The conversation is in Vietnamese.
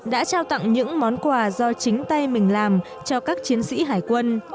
đã trao tặng những món quà do chính tay mình làm cho các chiến sĩ hải quân